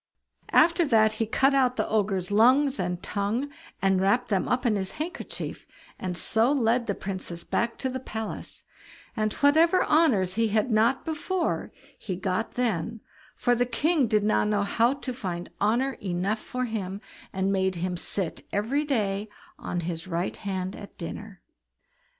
After that he cut out the Ogre's lungs and tongue, and wrapped them up in his handkerchief, and so led the Princess back to the palace, and whatever honours he had not before, he got then, for the king did not know how to find honour enough for him, and made him sit every day on his right hand at dinner.